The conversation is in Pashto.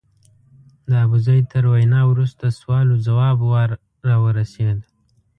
د ابوزید تر وینا وروسته سوال او ځواب وار راورسېد.